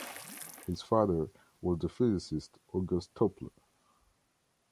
His father was the physicist August Toepler.